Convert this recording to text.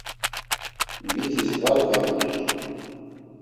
Mitis var dvagurt̆u.